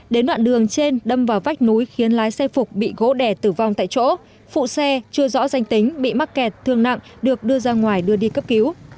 đến đoạn đường trên đâm vào vách núi khiến lái xe phục bị gỗ đẻ tử vong tại chỗ phụ xe chưa rõ danh tính bị mắc kẹt thương nặng được đưa ra ngoài đưa đi cấp cứu